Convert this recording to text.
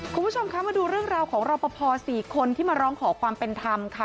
คุณผู้ชมคะมาดูเรื่องราวของรอปภ๔คนที่มาร้องขอความเป็นธรรมค่ะ